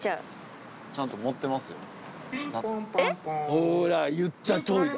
ほら言ったとおりだ。